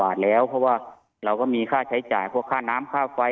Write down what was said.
เพราะว่าเราก็มีค่าใช้จ่ายเพราะว่าค่าน้ำค่าไฟ